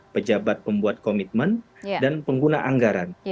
pejabat pembuat komitmen dan pengguna anggaran